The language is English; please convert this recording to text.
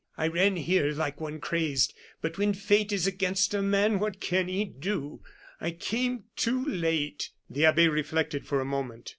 I ran here like one crazed. But when fate is against a man, what can he do? I came too late!" The abbe reflected for a moment.